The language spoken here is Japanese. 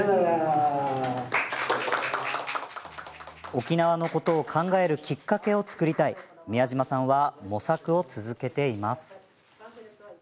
沖縄のことを考えるきっかけを作りたい宮島さんは模索を続けています。